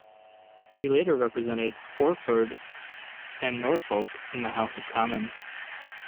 He later represented Orford and Norfolk in the House of Commons.